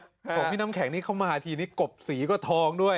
ของพี่น้ำแข็งนี่เข้ามาทีนี้กบสีก็ทองด้วย